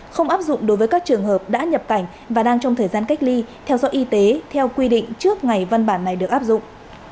không áp dụng đối với các trường hợp đã nhập cảnh và đang trong thời gian cách ly theo dõi y tế theo quy định trước ngày văn bản này được áp dụng